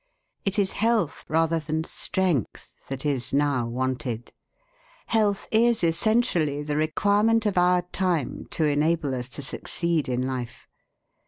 It is health rather than strength that is now wanted. Health is essentially the requirement of our time to enable us to succeed in life.